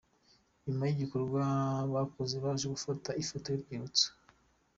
Nyuma y'igikorwa bakoze, baje gufata ifoto y'urwibutso.